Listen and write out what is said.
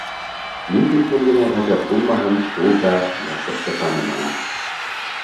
Ни тиклем генә ғәжәп булмаһын, ул да Яковты таныманы.